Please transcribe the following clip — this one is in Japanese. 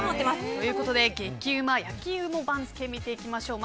ということで極うま焼き芋番付を見ていきましょう。